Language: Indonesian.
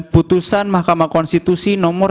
putusan mahkamah konstitusi nomor sembilan puluh delapan